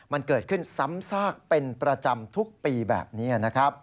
มันเกิดขึ้นซ้ำซากเป็นประจำทุกปีแบบนี้นะครับ